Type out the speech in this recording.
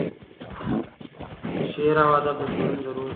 شعر او ادب د ټولني د روح غذا ده.